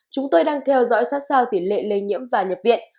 chúng tôi đang theo dõi sát sao tỷ lệ lây nhiễm và nhập viện